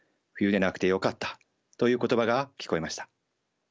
「冬でなくてよかった」という言葉が聞こえました。